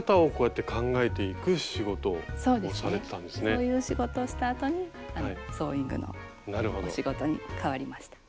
そういう仕事をしたあとにソーイングのお仕事に変わりました。